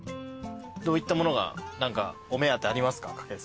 どういったものが何かお目当てありますか筧さん。